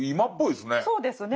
そうですね。